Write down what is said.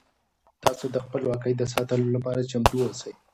تاسو د خپلواکۍ د ساتلو لپاره چمتو اوسئ.